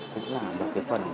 cũng là một cái phần